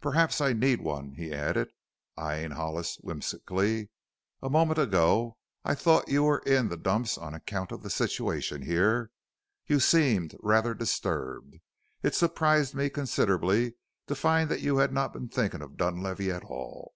"Perhaps I need one," he added, eyeing Hollis whimsically; "a moment ago I thought you were in the dumps on account of the situation here you seemed rather disturbed. It surprised me considerably to find that you had not been thinking of Dunlavey at all."